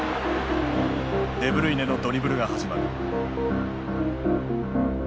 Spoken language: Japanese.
デブルイネのドリブルが始まる。